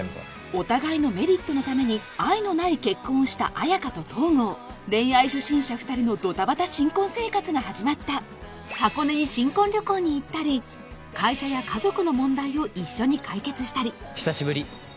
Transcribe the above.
お互いのメリットのために愛のない結婚をした綾華と東郷恋愛初心者二人のドタバタ新婚生活が始まった箱根に新婚旅行に行ったり会社や家族の問題を一緒に解決したり久しぶり